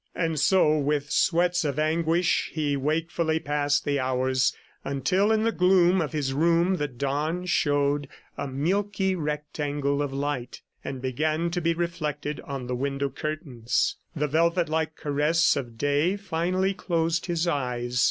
And so, with sweats of anguish, he wakefully passed the hours until in the gloom of his room the dawn showed a milky rectangle of light, and began to be reflected on the window curtains. The velvet like caress of day finally closed his eyes.